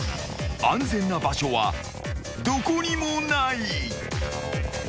［安全な場所はどこにもない］